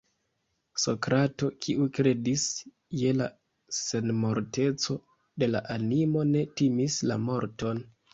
Sokrato, kiu kredis je la senmorteco de la animo, ne timis la morton.